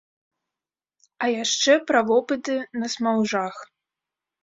А яшчэ пра вопыты на смаўжах.